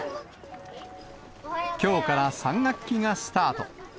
きょうから３学期がスタート。